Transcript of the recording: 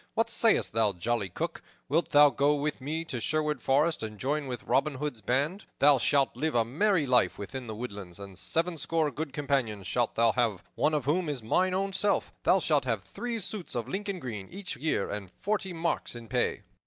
What sayst thou, jolly Cook, wilt thou go with me to Sherwood Forest and join with Robin Hood's band? Thou shalt live a merry life within the woodlands, and sevenscore good companions shalt thou have, one of whom is mine own self. Thou shalt have three suits of Lincoln green each year, and forty marks in pay."